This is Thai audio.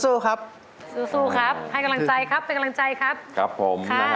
สู้ครับให้กำลังใจครับเป็นกำลังใจครับ